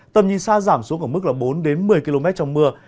tầm nhìn xa giảm xuống ở mức bốn một mươi km trong mưa